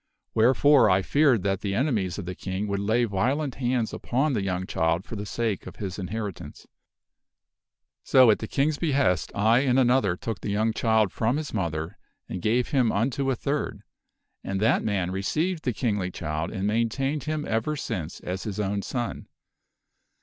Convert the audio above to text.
Wherefore I feared that the enemies of the King would lay violent hands upon the young child for the sake of his inheritance. So, at the King's behest, I and another took the young child from his mother and gave him unto a third, and that man received the kingly child and maintained him ever since as his own son.